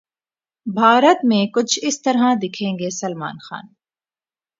بھارت 'میں کچھ اس طرح دکھیں گے سلمان خان'